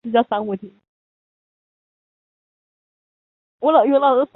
该站隶属乌鲁木齐铁路局。